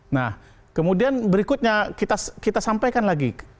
nah kemudian berikutnya kita sampaikan lagi